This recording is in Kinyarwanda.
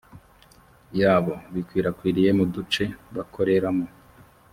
yabo bikwirakwiriye mu duce bakoreramo